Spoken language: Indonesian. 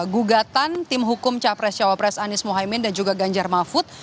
gugatan tim hukum capres cawapres anies mohaimin dan juga ganjar mahfud